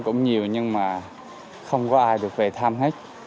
cũng nhiều nhưng mà không có ai được về thăm hết